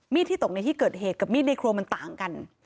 ที่ตกในที่เกิดเหตุกับมีดในครัวมันต่างกัน